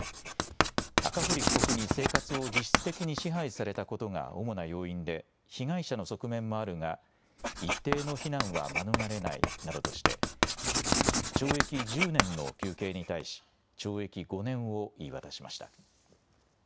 赤堀被告に生活を実質的に支配されたことが主な要因で被害者の側面もあるが一定の非難は免れないなどとして懲役１０年の求刑に対し懲役５年を言い渡しました。